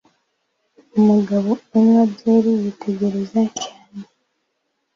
Umugabo unywa byeri yitegereza cyane